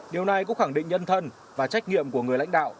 điều này cũng khẳng định nhân thân và trách nhiệm của người lãnh đạo